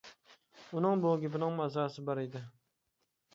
ئۇنىڭ بۇ گېپىنىڭمۇ ئاساسى بار ئىدى.